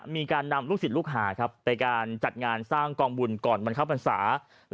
มีการนำลูกศิษย์ลูกหาไปการจัดงานสร้างกองบุญก่อนบรรคับภัณฑ์ศาสตร์